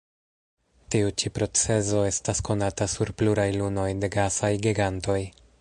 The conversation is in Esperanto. Tiu ĉi procezo estas konata sur pluraj lunoj de gasaj gigantoj.